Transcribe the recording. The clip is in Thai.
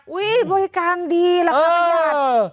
อุ้ยบริการดีแล้วค่ะพี่ยาด